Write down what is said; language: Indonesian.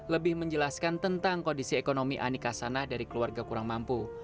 lebih menjelaskan tentang kondisi ekonomi anika sanah dari keluarga kurang mampu